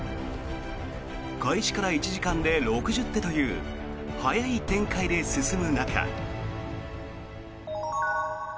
開始から１時間で６０手という早い展開で進む中。